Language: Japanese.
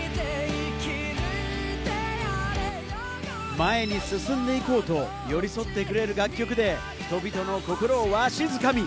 前に進んでいこうと寄り添ってくれる楽曲で、人々の心をわしづかみ。